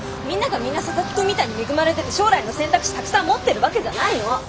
みんながみんな佐々木くんみたいに恵まれてて将来の選択肢たくさん持ってるわけじゃないの！